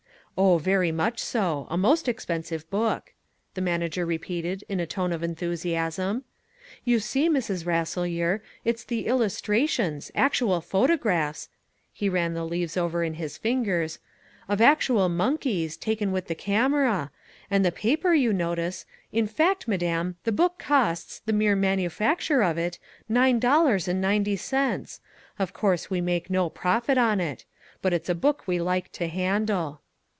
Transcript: "Oh, very much so a most expensive book," the manager repeated in a tone of enthusiasm. "You see, Mrs. Rasselyer, it's the illustrations, actual photographs" he ran the leaves over in his fingers "of actual monkeys, taken with the camera and the paper, you notice in fact, madam, the book costs, the mere manufacture of it, nine dollars and ninety cents of course we make no profit on it. But it's a book we like to handle."